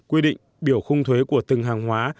quy định biểu khung thuế của từng hàng hóa